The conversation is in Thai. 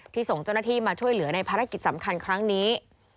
ส่งเจ้าหน้าที่มาช่วยเหลือในภารกิจสำคัญครั้งนี้